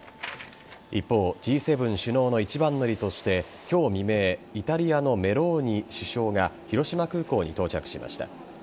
一方、Ｇ７首脳の一番乗りとして今日未明イタリアのメローニ首相が広島空港に到着しました。